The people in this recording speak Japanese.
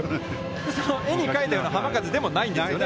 絵に描いたような浜風でもないんですよね。